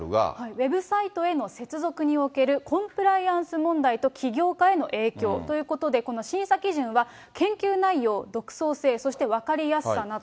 ウェブサイトへの接続におけるコンプライアンス問題と起業家への影響ということで、この審査基準は、研究内容、独創性、そして分かりやすさなど。